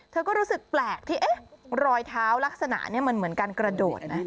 เธอก็รู้สึกแปลกที่เอ๊ะรอยเท้าลักษณะนี้มันเหมือนการกระโดดนะ